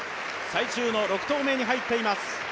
最終の６投目に入っています